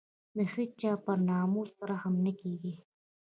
د هېچا پر ناموس رحم نه کېږي.